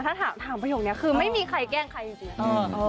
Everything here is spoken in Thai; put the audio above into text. ถ้าถามประโยคนี้คือไม่มีใครแกล้งใครจริง